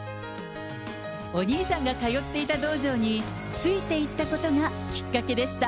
お兄さんが通っていた道場についていったことがきっかけでした。